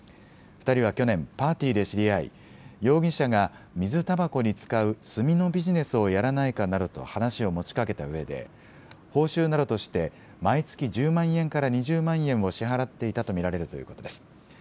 ２人は去年、パーティーで知り合い、容疑者が水たばこに使う炭のビジネスをやらないかなどと話を持ちかけたうえで報酬などとして毎月１０万円から２０万円を支払っていたと見られるということです。